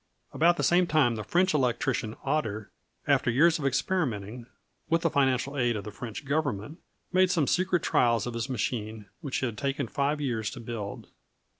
About the same time the French electrician Ader, after years of experimenting, with the financial aid of the French Government, made some secret trials of his machine, which had taken five years to build.